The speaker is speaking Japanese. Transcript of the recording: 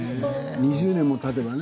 ２０年もたてばね。